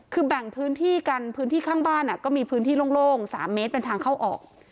คือแบ่งพื้นที่กันพื้นที่ข้างบ้านก็มีพื้นที่โล่ง๓เมตรเป็นทางเข้าออก